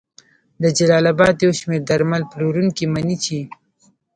د جلال اباد یو شمېر درمل پلورونکي مني چې